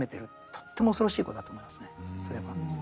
とっても恐ろしいことだと思いますねそれは。